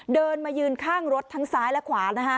เดินมายืนข้างรถทั้งซ้ายและขวานะฮะ